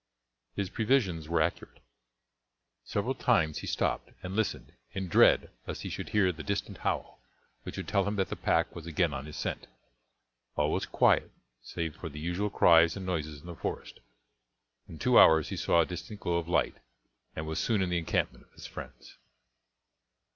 His previsions were accurate. Several times he stopped and listened in dread lest he should hear the distant howl, which would tell him that the pack was again on his scent. All was quiet, save for the usual cries and noises in the forest. In two hours he saw a distant glow of light, and was soon in the encampment of his friends.